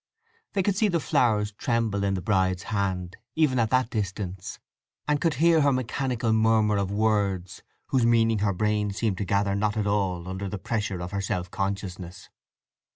They could see the flowers tremble in the bride's hand, even at that distance, and could hear her mechanical murmur of words whose meaning her brain seemed to gather not at all under the pressure of her self consciousness.